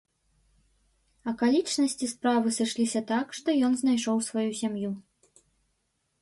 Акалічнасці справы сышліся так, што ён знайшоў сваю сям'ю.